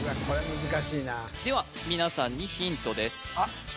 これ難しいなでは皆さんにヒントです